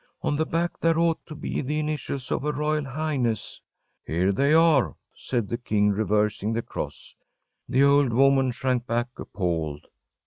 On the back there ought to be the initials of her royal highness!‚ÄĚ “Here they are,‚ÄĚ said the king, reversing the cross. The old woman shrank back appalled.